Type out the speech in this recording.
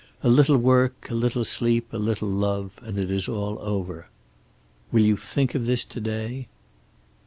A little work, a little sleep, a little love, and it is all over. "Will you think of this to day?"